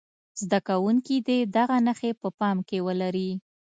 زده کوونکي دې دغه نښې په پام کې ولري.